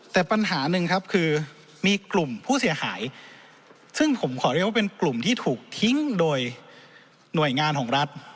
แต่ปัญหาหนึ่งครับคือมีกลุ่มผู้เสียหายซึ่งผมขอเรียกว่าเป็นกลุ่มที่ถูกทิ้งโดยหน่วยงานของรัฐ